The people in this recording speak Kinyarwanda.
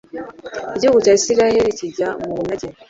igihugu cya isirayeli kijya mu bunyage